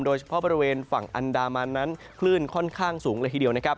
โดยเฉพาะบริเวณฝั่งอันดามันนั้นคลื่นค่อนข้างสูงเลยทีเดียวนะครับ